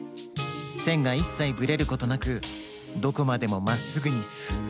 せんがいっさいブレることなくどこまでもまっすぐにスッと。